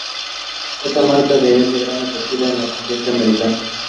The name stuck with her ever since.